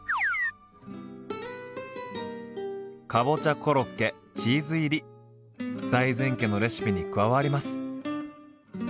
かぼちゃコロッケチーズ入り財前家のレシピに加わります。